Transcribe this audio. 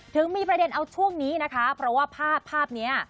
ถึงมีประเด็นเอาช่วงนี้นะคะเพราะว่าภาพภาพนี้